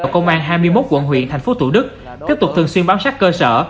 ở công an hai mươi một quận huyện thành phố thủ đức tiếp tục thường xuyên bám sát cơ sở